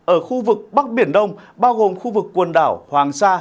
ở khu vực bắc biển đông bao gồm khu vực quần đảo hoàng sa